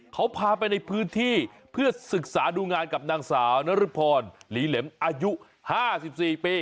เขาพาไปในพื้นที่เพื่อศึกษาดูงานกับนางสาวนรพรหลีเหล็มอายุ๕๔ปี